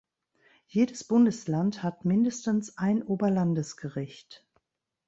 Jedes Bundesland hat mindestens ein Oberlandesgericht.